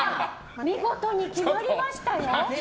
見事に決まりましたよ。